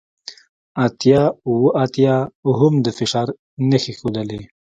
اتیا اوه اتیا هم د فشار نښې ښودلې